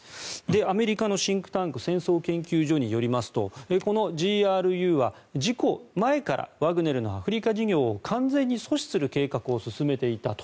アメリカのシンクタンク戦争研究所によりますとこのＧＲＵは事故前からワグネルのアフリカ事業を完全に阻止する計画を進めていたと。